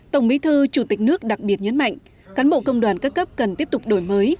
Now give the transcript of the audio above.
tổng bí thư chủ tịch nước đặc biệt nhấn mạnh cán bộ công đoàn các cấp cần tiếp tục đổi mới